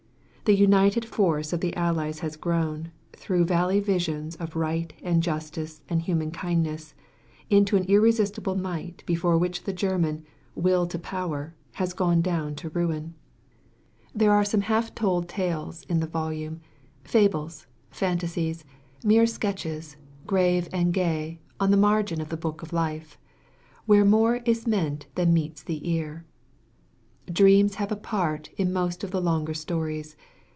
The united force of the Allies has grown, through valley visions of right and justice and human kindness, into an ir resistible miglht before which the German *'will to power'' has gone down in ruin. vii PREFACE There are some Half Told Tales in the volume — fables, fantasies — ^mere sketches, grave and gay, on the margin of the book of life, "Where more is meant than meets the ear/* Dreams have a part in most of the longer stories.